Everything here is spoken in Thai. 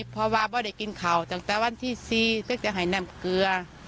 พอวาไม่ได้กินข่าวจากวันที่สี่จากให้นำเกลือ